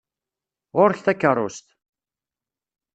Ɣur-k takeṛṛust!